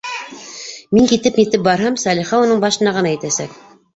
Мин китеп-нитеп барһам, Сәлихә уның башына ғына етәсәк.